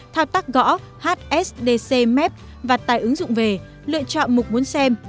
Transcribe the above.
thao tác gõ hsdcmet và tài ứng dụng về lựa chọn mục muốn xem